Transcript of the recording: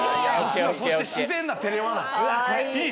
そして自然な照れ笑い。